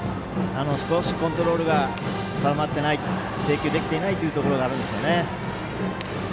少しコントロールが定まっていない制球出来ていないというところがあるんですよね。